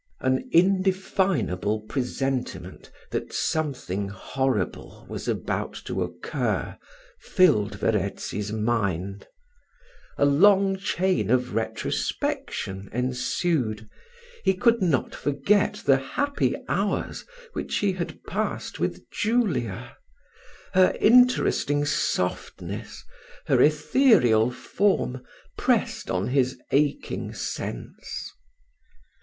An indefinable presentiment that something horrible was about to occur, filled Verezzi's mind. A long chain of retrospection ensued he could not forget the happy hours which he had passed with Julia; her interesting softness, her ethereal form, pressed on his aching sense.